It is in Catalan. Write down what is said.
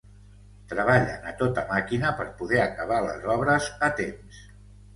Treballen a tota màquina per poder acabar les obres a temps.